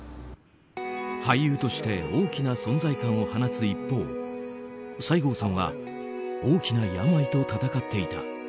俳優として大きな存在感を放つ一方西郷さんは大きな病と闘っていた。